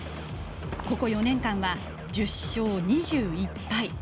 ここ４年間は１０勝２１敗。